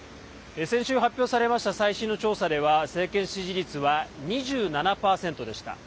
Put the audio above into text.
先週発表された最新の調査では政権支持率は２７％でした。